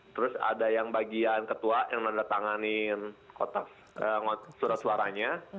terus ada yang bagian ketua yang menandatanganin kotak surat suaranya